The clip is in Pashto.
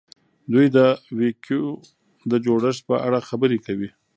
دوی د وییکو د جوړښت په اړه خبرې کوي.